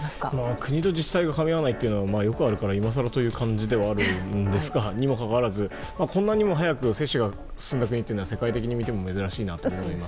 国と自治体がかみ合わないのはよくあるからいまさらという感じではあるんですが、にもかかわらずこんなにも早く接種が進んだ国は世界的に見ても珍しいなと思います。